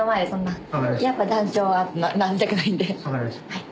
はい。